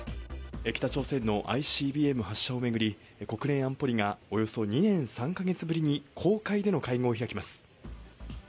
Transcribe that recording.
北朝鮮のＩＣＢＭ発射を巡り、国連安保理が、およそ２年３か月ぶりに公開での会合を開きます。